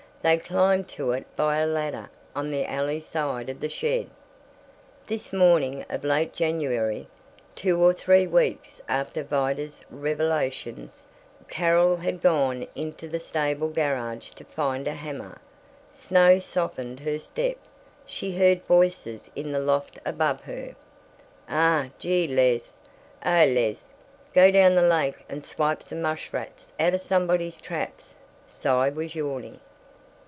They climbed to it by a ladder on the alley side of the shed. This morning of late January, two or three weeks after Vida's revelations, Carol had gone into the stable garage to find a hammer. Snow softened her step. She heard voices in the loft above her: "Ah gee, lez oh, lez go down the lake and swipe some mushrats out of somebody's traps," Cy was yawning.